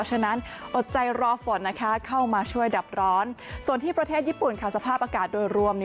ใส่รอฝนนะคะเข้ามาช่วยดับร้อนส่วนที่ประเทศญี่ปุ่นค่ะสภาพอากาศโดยรวม